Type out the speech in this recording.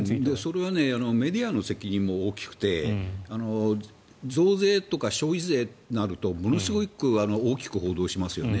それはメディアの責任も大きくて増税とか消費税になるとものすごく大きく報道しますよね。